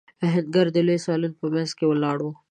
آهنګر د لوی سالون په مينځ کې ولاړ و.